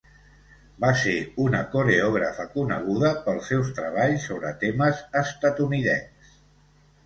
Va ser una coreògrafa coneguda pels seus treballs sobre temes estatunidencs.